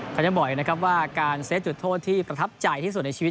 เขายังบอกอีกนะครับว่าการเซฟจุดโทษที่ประทับใจที่สุดในชีวิต